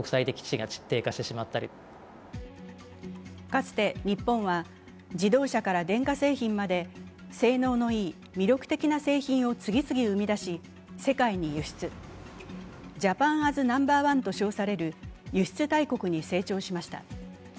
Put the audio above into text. かつて日本は、自動車から電化製品まで性能のいい魅力的な製品を次々生み出し世界に輸出、ジャパン・アズ・ナンバーワンと称される輸出大国に成長しました。